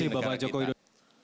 terima kasih bapak joko widodo